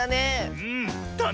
うん。